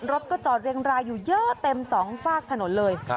รถก็จอดเรียงรายอยู่เยอะเต็มสองฝากถนนเลย